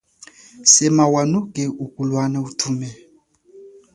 Sema wanuke ukulwana utume.